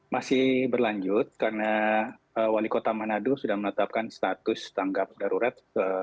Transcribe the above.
masih berlanjut karena wali kota manado sudah menetapkan status tanggap darurat